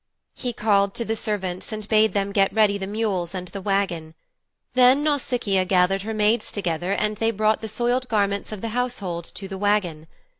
He called to the servants and bade them get ready the mules and the wagon. Then Nausicaa gathered her maids together and they brought the soiled garments of the household to the wagon.